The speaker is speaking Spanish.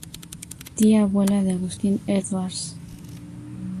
Tía abuela de Agustín Edwards.